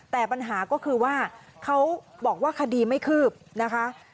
แต่ปัญหาก็คือว่าเขาบอกว่าคดีไม่คืบนะคะ